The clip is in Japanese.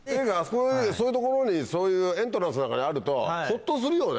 そういう所にエントランスなんかにあるとホッとするよね。